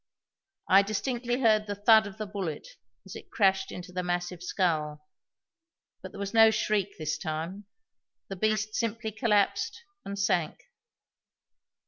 I distinctly heard the thud of the bullet as it crashed into the massive skull; but there was no shriek this time; the beast simply collapsed and sank.